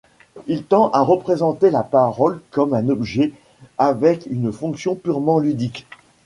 Il tend à représenter la parole comme un objet avec une fonction purement ludique.